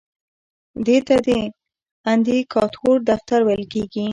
دې ته د اندیکاتور دفتر ویل کیږي.